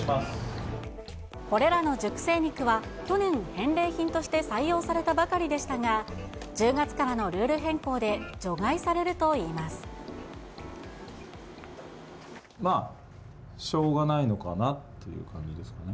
これらの熟成肉は、去年の返礼品として採用されたばかりでしたが、１０月からのルーまあ、しょうがないのかなっていう感じですかね。